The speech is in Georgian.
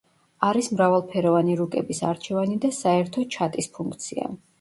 არის მრავალფეროვანი რუკების არჩევანი და საერთო ჩატის ფუნქცია.